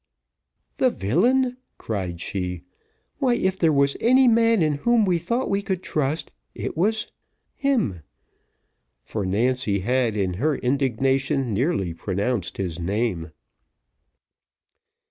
"The villain!" cried she; "why, if there was any man in whom we thought we could trust, it was him;" for Nancy had, in her indignation, nearly pronounced his name.